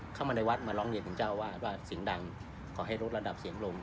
เข้ามาในวัดมาร้องเรียนถึงเจ้าอาวาสว่าเสียงดังขอให้ลดระดับเสียงลง